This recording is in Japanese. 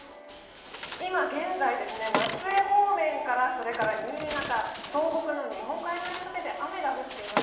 今現在、松江方面から新潟、東北の日本海側にかけて雨が降っています。